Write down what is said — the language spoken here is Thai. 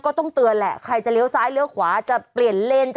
ก็ต้องเตือนแหละใครจะเลี้ยวซ้ายเลี้ยวขวาจะเปลี่ยนเลนจะ